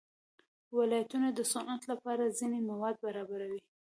ولایتونه د صنعت لپاره ځینې مواد برابروي.